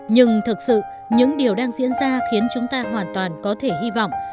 nhưng thực sự những điều đang diễn ra khiến chúng ta hoàn toàn có thể hy vọng